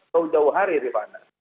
selama berapa hari rihana